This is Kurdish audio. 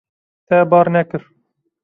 Te bar nekir.